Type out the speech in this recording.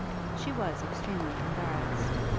She was extremely embarrassed.